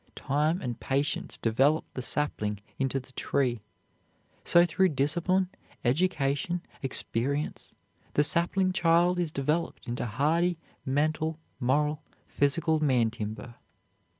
Time and patience develop the sapling into the tree. So through discipline, education, experience, the sapling child is developed into hardy mental, moral, physical man timber.